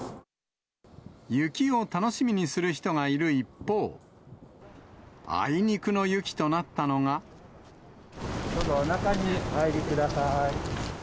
雪を楽しみにする人がいる一どうぞ、中にお入りください。